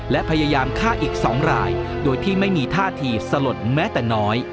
และพยายามฆ่าอีก๒รายโดยที่ไม่มีท่าทีสลดแม้แต่น้อย